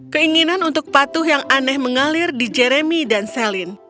keinginan untuk patuh yang aneh mengalir di jeremy dan celine